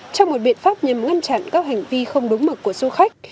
trong một biện pháp nhằm ngăn chặn các hành vi không đúng mực của du khách